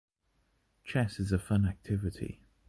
Chess is a fun activity.